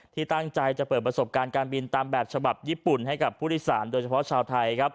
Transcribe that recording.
ที่ตั้งใจจะเปิดประสบการณ์การบินตามแบบฉบับญี่ปุ่นให้กับผู้โดยสารโดยเฉพาะชาวไทยครับ